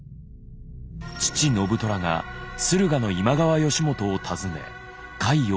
父信虎が駿河の今川義元を訪ね甲斐を留守にしたのだ。